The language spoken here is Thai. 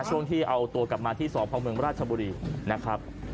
ช่วงที่เอาตัวกลับมาที่สพเมืองราชบุรีนะครับ